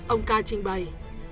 ông k trình bày